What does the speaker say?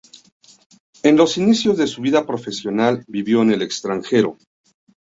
En los inicios de su vida profesional vivió en el extranjero.